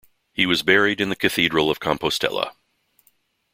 He was buried in the cathedral of Compostela.